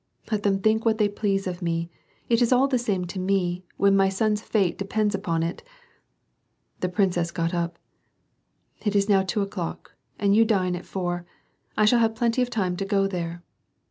Let them think what they please of me, it is all the same to me, when my son's fate depends upon it." The princess got up. " It is now two o'clock and you dine at four. I shall have plenty of time to go there."